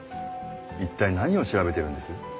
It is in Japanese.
一体何を調べてるんです？